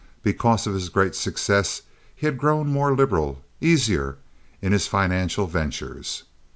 Because of his great success he had grown more liberal—easier—in his financial ventures.